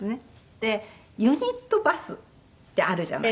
でユニットバスってあるじゃないですか。